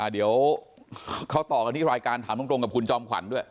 เดี๋ยวเขาต่อกันที่รายการถามตรงกับคุณจอมขวัญด้วย